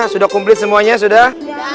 sudah komplit semuanya sudah